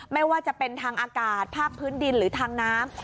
ไม่ว่าจะเป็นทางอากาศภาคพื้นดินหรือทางน้ำ